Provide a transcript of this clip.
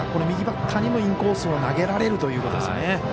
右バッターにもインコースを投げられるということですよね。